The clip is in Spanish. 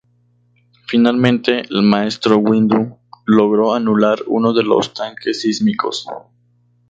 Finalmente el maestro Windu logró anular uno de los tanques sísmicos.